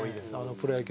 プロ野球。